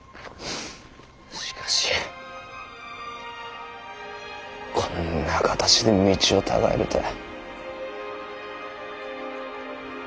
しかしこんな形で道を違えるとは。